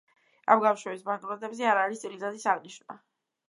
ამ გამოშვების ბანკნოტებზე არ არის წელიწადის აღნიშვნა.